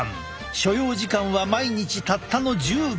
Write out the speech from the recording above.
所要時間は毎日たったの１０秒。